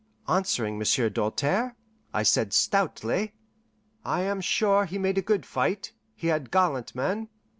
Answering Monsieur Doltaire, I said stoutly, "I am sure he made a good fight; he had gallant men."